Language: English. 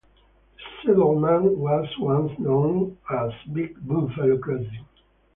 The settlement was once known as "Big Buffalo Crossing".